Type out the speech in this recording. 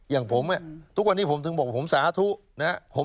อย่างผมทุกวันนี้ผมถึงบอกว่าผมสาธุนะครับ